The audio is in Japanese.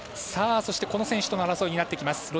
そしてこの選手との争いになってきます。